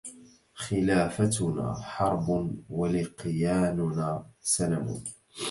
خلافتنا حرب ولقياننا سلم